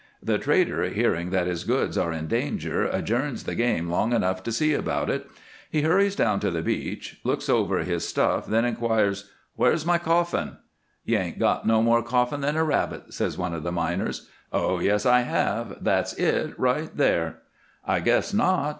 The trader, hearing that his goods are in danger, adjourns the game long enough to see about it. He hurries down to the beach, looks over his stuff, then inquires: "'Where's my coffin?' "'You 'ain't got no more coffin than a rabbit,' says one of the miners. "'Oh, yes, I have. That's it right there.' "'I guess not.